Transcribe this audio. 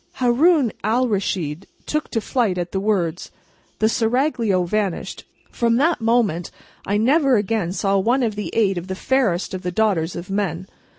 Haroun Alraschid took to flight at the words; the Seraglio vanished; from that moment, I never again saw one of the eight of the fairest of the daughters of men.